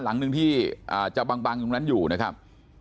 หลังนึงที่จะบางอยู่นะครับ